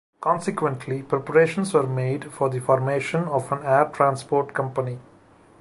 Consequently, preparations were made for the formation of an air transport company.